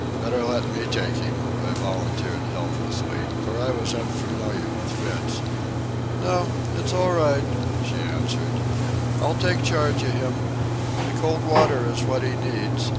"Better let me take him," I volunteered helplessly, for I was unfamiliar with fits. "No; it's all right," she answered. "I'll take charge of him. The cold water is what he needs.